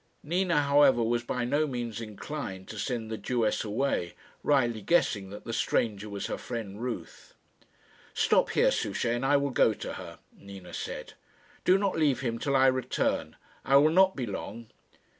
Nina, however, was by no means inclined to send the Jewess away, rightly guessing that the stranger was her friend Ruth. "Stop here, Souchey, and I will go to her," Nina said. "Do not leave him till I return. I will not be long."